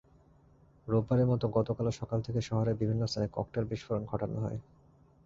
রোববারের মতো গতকালও সকাল থেকে শহরের বিভিন্ন স্থানে ককটেল বিস্ফোরণ ঘটানো হয়।